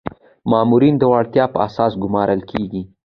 مامورین د وړتیا په اساس ګمارل کیږي